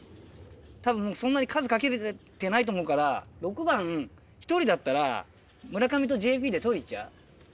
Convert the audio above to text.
たぶんそんなに数かけれてないと思うから６番１人だったら村上とＪＰで取り行っちゃう？